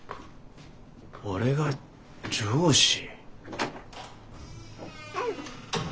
俺が上司？